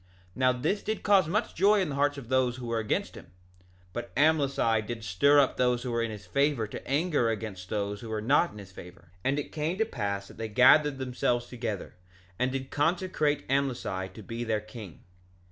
2:8 Now this did cause much joy in the hearts of those who were against him; but Amlici did stir up those who were in his favor to anger against those who were not in his favor. 2:9 And it came to pass that they gathered themselves together, and did consecrate Amlici to be their king.